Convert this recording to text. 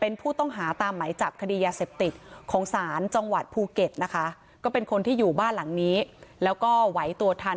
นะคะก็เป็นคนที่อยู่บ้านหลังนี้แล้วก็หวัยตัวทัน